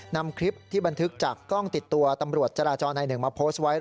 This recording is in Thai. นำคลิปที่บันทึกจากกล้องติดตัวตำรวจจราจรนายหนึ่งมาโพสต์ไว้